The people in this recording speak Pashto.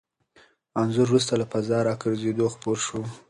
انځور وروسته له فضا راګرځېدو خپور شو.